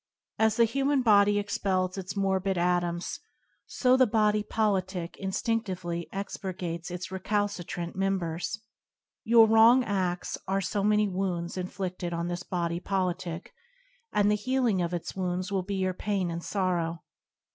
As the human body expels its morbid atoms, so the body politic instinc tively expurgates its recalcitrant members. Your wrong ads are so many wounds in flided on this body politic, and the healing of its wounds will be your pain and sorrow.